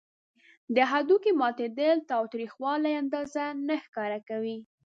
د هډوکي ماتیدل د تاوتریخوالي اندازه نه ښکاره کوي.